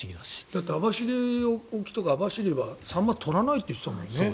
だって網走沖とか網走はサンマを取らないって言ってたもんね。